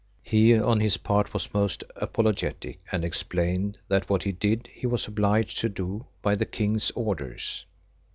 He on his part was most apologetic, and explained that what he did he was obliged to do "by the King's orders."